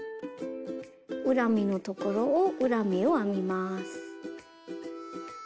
裏目のところを裏目を編みます。